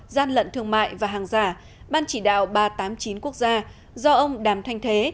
gian lận thương mại và hàng giả ban chỉ đạo ba trăm tám mươi chín quốc gia do ông đàm thanh thế